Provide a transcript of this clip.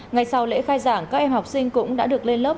ngày sau lễ khai giảng các em học sinh cũng đã được lên lớp